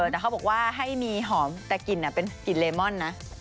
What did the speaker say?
แต่เขาบอกว่าให้มีหอมแต่กลิ่นเป็นกลิ่นเลมอนนะ